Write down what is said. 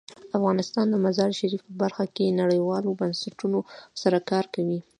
افغانستان د مزارشریف په برخه کې نړیوالو بنسټونو سره کار کوي.